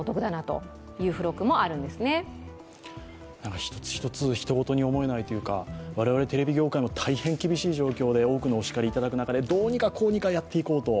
一つ一つ人ごとに思えないというか我々テレビ業界も大変厳しい状況で多くのお叱りをいただく中でどうにかこうにかやっていこうと。